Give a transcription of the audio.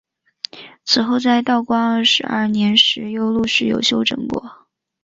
此后在道光二十二年时又陆续有整修过。